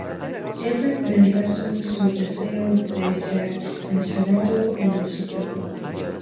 Siempre manifestó su deseo de ser enterrado en su pueblo.